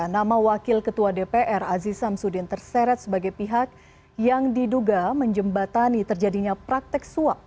nama wakil ketua dpr aziz samsudin terseret sebagai pihak yang diduga menjembatani terjadinya praktek suap